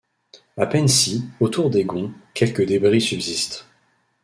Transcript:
A peine si, autour des gonds, quelques débris subsistent.